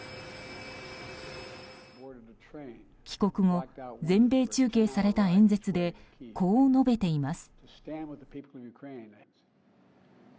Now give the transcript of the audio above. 帰国後、全米中継された演説でこう述べています。